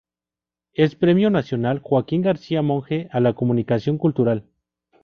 Es "Premio Nacional "Joaquín García Monge" a la comunicación cultural".